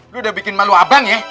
gue udah bikin malu abang ya